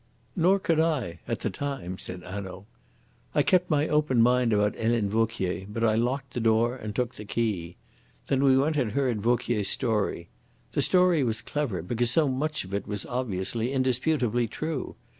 "Nor could I at the time," said Hanaud. "I kept my open mind about Helene Vauquier; but I locked the door and took the key. Then we went and heard Vauquier's story. The story was clever, because so much of it was obviously, indisputably true.